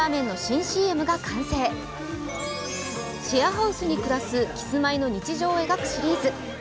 シェアハウスに暮らすキスマイの日常を描くシリーズ。